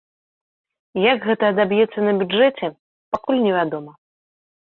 Як гэта адаб'ецца на бюджэце, пакуль невядома.